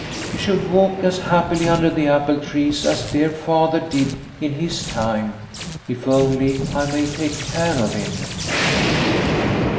He should walk as happily under the apple trees as dear Father did in his time if only I may take care of him